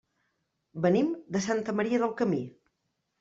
Venim de Santa Maria del Camí.